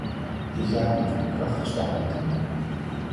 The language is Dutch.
Dit jaar moeten we een krachtig standpunt innemen.